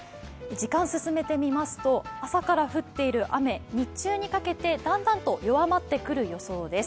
時間進めてみますと朝から降っている雨、日中にかけてだんだんと弱まってくる予想です。